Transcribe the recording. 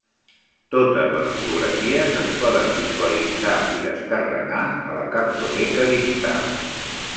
Totes les fotografies es poden visualitzar i descarregar a la Cartoteca digital.